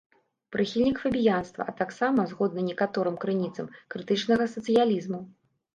Прыхільнік фабіянства, а таксама, згодна некаторым крыніцам, крытычнага сацыялізму.